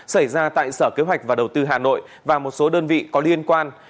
xảy ra tại sở kế hoạch và đầu tư hà nội và một số đơn vị có liên quan